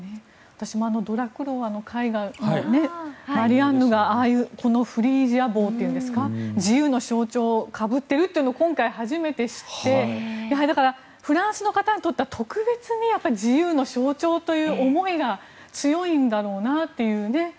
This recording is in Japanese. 私もドラクロワの絵画のマリアンヌがああいうフリジア帽というんですか自由の象徴をかぶっているっていうのを今回、初めて知ってフランスの方にとっては特別に、自由の象徴という思いが強いんだろうなという。